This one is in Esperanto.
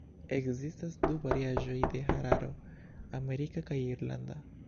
Ekzistas du variaĵoj de hararo: Amerika kaj Irlanda.